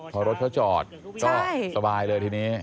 พอรถเขาจอดก็สบายเลยทีนี้